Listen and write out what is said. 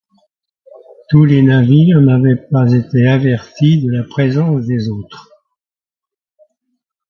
Tous les navires n'avaient pas été avertis de la présence des autres.